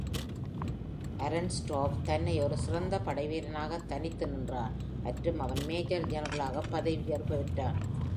Arenstorff தன்னை ஒரு சிறந்த படை வீரனாக தனித்து நின்றான் மற்றும் அவன் மேஜர் ஜெனரலாக பதவியுயர்வு பெற்றான்.